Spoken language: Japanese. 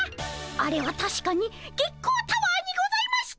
あれはたしかに月光タワーにございました。